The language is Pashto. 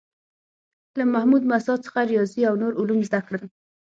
له محمود مساح څخه ریاضي او نور علوم زده کړل.